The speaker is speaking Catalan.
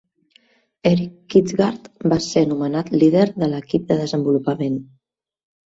Erik Quistgaard va ser nomenat líder de l'equip de desenvolupament.